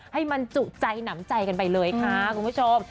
ให้มันจุใจหนำใจกันไปเลยค่ะคุณผู้ชม